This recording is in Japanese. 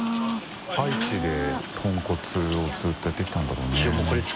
愛知で豚骨をずっとやってきたんだろうね。